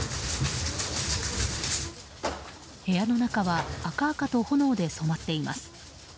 部屋の中は赤々と炎で染まっています。